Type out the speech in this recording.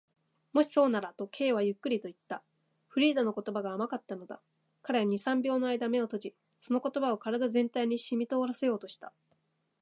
「もしそうなら」と、Ｋ はゆっくりといった。フリーダの言葉が甘かったのだ。彼は二、三秒のあいだ眼を閉じ、その言葉を身体全体にしみとおらせようとした。